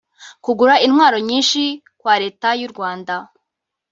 Kugura intwaro nyinshi kwa Leta y’u Rwanda